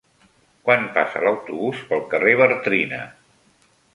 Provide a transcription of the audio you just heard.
Quan passa l'autobús pel carrer Bartrina?